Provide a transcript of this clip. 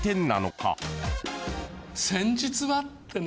「先日は」ってね。